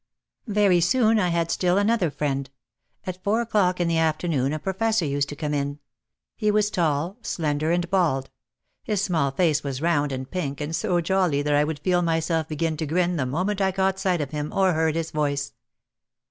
Very soon I had still another friend. At four o'clock in the afternoon a professor used to come in. He was tall, slender and bald. His small face was round and pink and so jolly that I would feel myself begin to grin the moment I caught sight of him or heard his voice.